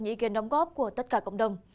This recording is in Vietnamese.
những ý kiến đóng góp của tất cả cộng đồng